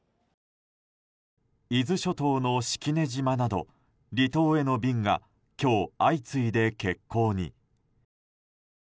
伊豆諸島の式根島など離島への便が今日相次いで欠航に。